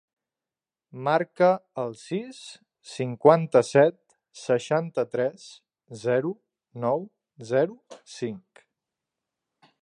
Marca el sis, cinquanta-set, seixanta-tres, zero, nou, zero, cinc.